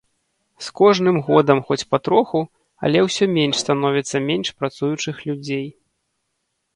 З кожным годам хоць патроху, але ўсё менш становіцца менш працуючых людзей.